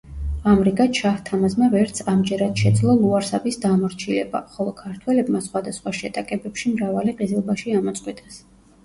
ამრიგად, შაჰ-თამაზმა ვერც ამჯერად შეძლო ლუარსაბის დამორჩილება, ხოლო ქართველებმა სხვადასხვა შეტაკებებში მრავალი ყიზილბაში ამოწყვიტეს.